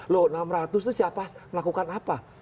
loh enam ratus itu siapa melakukan apa